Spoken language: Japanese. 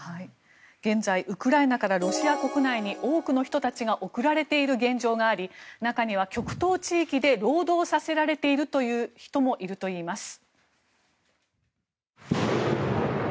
現在、ウクライナからロシア国内に多くの人たちが送られている現状があり中には極東地域で労働させられている人もいるといいます。